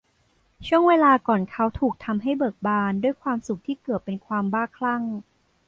ช่วงเวลาก่อนเขาถูกทำให้เบิกบานด้วยความสุขที่เกือบเป็นความบ้าคลั่ง